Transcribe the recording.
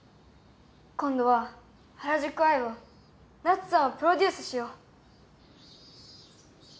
今度は『原宿アイ』をナツさんをプロデュースしよう。